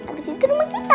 abis itu rumah kita